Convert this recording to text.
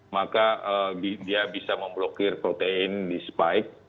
maka dia bisa memblokir protein di spike